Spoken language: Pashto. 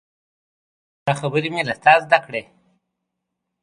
دا خبرې مې له تا زده کړي.